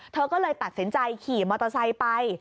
เธอก็เลยตัดสินใจขี่มอเตอร์ไซค์ไป